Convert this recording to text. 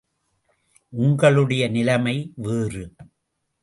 உங்களுடைய நிலைமை வேறு.